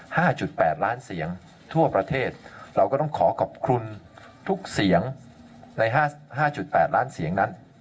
จุดแปดล้านเสียงทั่วประเทศเราก็ต้องขอขอบคุณทุกเสียงในห้าห้าจุดแปดล้านเสียงนั้น